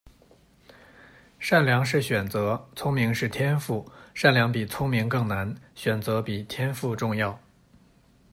善良是选择，聪明是天赋，善良比聪明更难，选择比天赋重要。